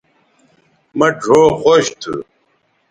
مہ ڙھؤ خوش تھو